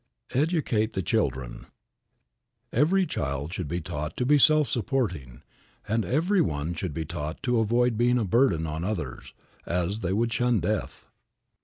VII. EDUCATE THE CHILDREN. EVERY child should be taught to be self supporting, and every one should be taught to avoid being a burden on others, as they would shun death.